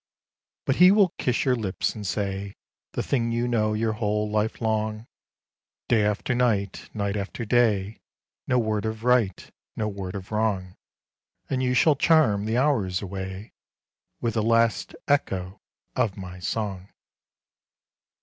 But he will kiss your lips, and say The thing you know your whole life long, Day after night, night after day, No word of right, no word of wrong, And you shall charm the hours away With the last echo of my song.